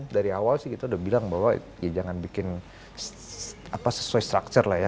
dari awal sih kita udah bilang bahwa ya jangan bikin sesuai structure lah ya